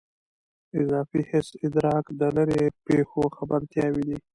اضافي حسي ادراک د لیرې پېښو خبرتیاوې دي.